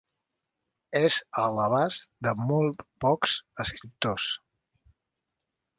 És a l'abast de molt pocs escriptors.